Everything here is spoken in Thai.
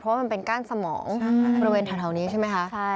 เพราะว่ามันเป็นก้านสมองบริเวณแถวนี้ใช่ไหมคะ